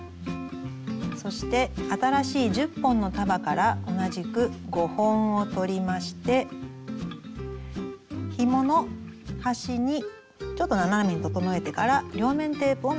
そして新しい１０本の束から同じく５本を取りましてひもの端にちょっと斜めに整えてから両面テープを巻きます。